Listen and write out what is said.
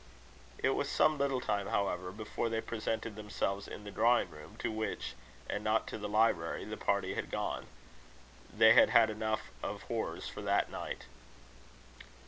It was some little time, however, before they presented themselves in the drawing room, to which, and not to the library, the party had gone: they had had enough of horrors for that night.